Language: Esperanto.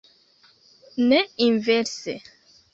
Ne inverse.